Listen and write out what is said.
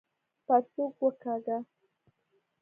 پرتوګ وکاږه!